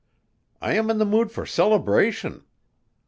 I am in the mood for celebration.